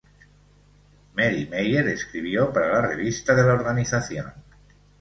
Mary Meyer escribió para la revista de la organización.